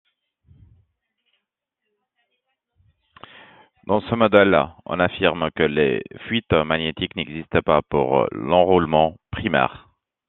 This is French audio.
Dans ce modèle on affirme que les fuites magnétiques n'existent pas pour l'enroulement primaire.